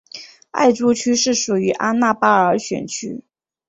艾珠区是属于阿纳巴尔选区。